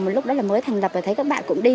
một lúc đấy là mới thành lập và thấy các bạn cũng đi